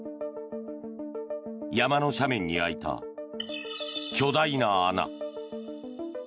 山の斜面に開いた巨大な穴。